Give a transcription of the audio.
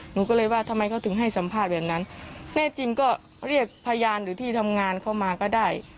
หนูก็เลยว่าทำไมเขาถึงให้สัมภาษณ์แบบนั้นแน่จริงก็เรียกพยานหรือที่ทำงานเข้ามาก็ได้